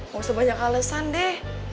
mau sebanyak alesan deh